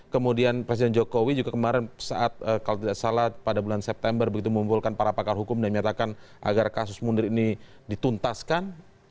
kemudian presiden jokowi juga kemarin saat kalau tidak salah pada bulan september begitu mengumpulkan para pakar hukum dan menyatakan agar kasus munir ini dituntaskan